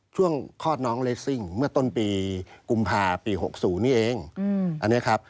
คลอดน้องเลสซิ่งเมื่อต้นปีกุมภาปี๖๐นี่เองอันนี้ครับ